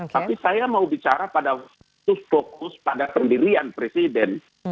tapi saya mau bicara pada waktu fokus pada pendirian presiden